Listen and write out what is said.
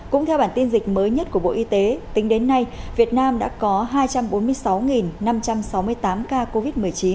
cũng theo bản tin dịch mới nhất của bộ y tế tính đến nay việt nam đã có hai trăm bốn mươi sáu năm trăm sáu mươi tám ca covid một mươi chín